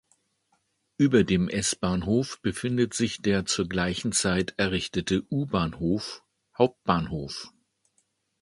Über dem S-Bahnhof befindet sich der zur gleichen Zeit errichtete U-Bahnhof Hauptbahnhof.